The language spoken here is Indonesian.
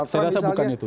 saya rasa bukan itu